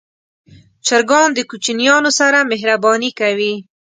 چرګان د کوچنیانو سره مهرباني کوي.